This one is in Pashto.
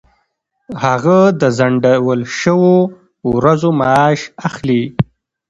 هغه د ځنډول شوو ورځو معاش اخلي.